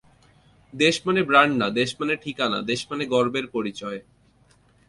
দেশ মানে ব্র্যান্ড না, দেশ মানে ঠিকানা, দেশ মানে গর্বের পরিচয়।